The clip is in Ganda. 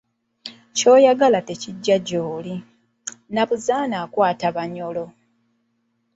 Ky'oyagala tekijja gy'oli, Nabuzaana akwata Banyoro.